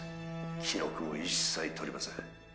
記録も一切とりません